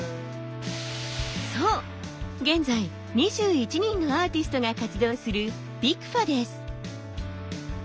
そう現在２１人のアーティストが活動するＰＩＣＦＡです。